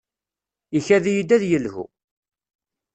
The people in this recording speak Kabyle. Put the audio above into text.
Ikad-iyi-d ad yelhu.